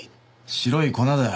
白い粉だよ。